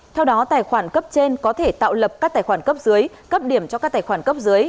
theo đó tài khoản cấp trên có thể tạo lập các tài khoản cấp dưới cấp điểm cho các tài khoản cấp dưới